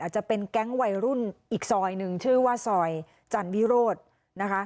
จะเป็นแก๊งวัยรุ่นอีกซอยหนึ่งชื่อว่าซอยจันวิโรธนะคะ